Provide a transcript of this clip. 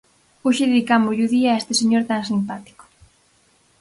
Hoxe dedicámoslle o día a este señor tan simpático.